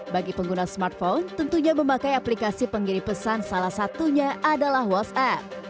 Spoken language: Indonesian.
bagi pengguna smartphone tentunya memakai aplikasi penggiri pesan salah satunya adalah whatsapp